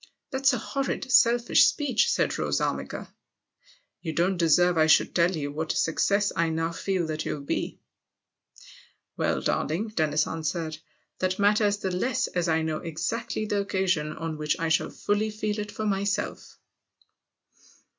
" That's a horrid, selfish speech," said Rose Armiger. "You don't deserve I should tell you what a success I now feel that you'll be." " Well, darling," Dennis answered, " that matters the less as I know exactly the occasion on which I shall fully feel it for myself."